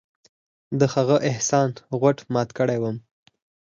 د هغه احسان غوټ مات کړى وم.